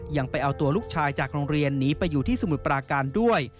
ยังไปเอาตัวลูกชายจากโรงเรียนหนีไปอยู่ที่สมุทรปราการด้วย